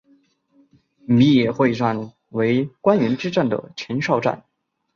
米野会战为关原之战的前哨战。